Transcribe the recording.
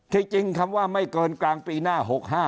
จริงคำว่าไม่เกินกลางปีหน้า๖๕